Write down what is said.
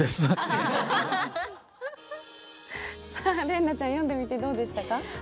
麗菜ちゃん、読んでみてどうでしたか。